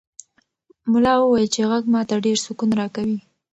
ملا وویل چې غږ ماته ډېر سکون راکوي.